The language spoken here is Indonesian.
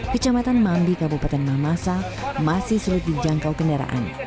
kecamatan mambi kabupaten mamasa masih sulit dijangkau kendaraan